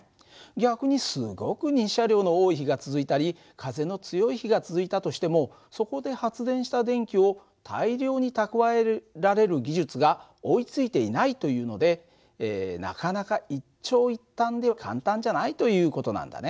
逆にすごく日射量の多い日が続いたり風の強い日が続いたとしてもそこで発電した電気を大量に蓄えられる技術が追いついていないというのでなかなか一長一短で簡単じゃないという事なんだね。